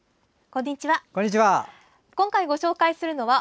こんにちは。